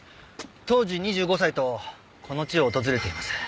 当時２５歳とこの地を訪れています。